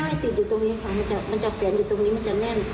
ติดอยู่ตรงนี้ค่ะมันจะแฝนอยู่ตรงนี้มันจะแน่น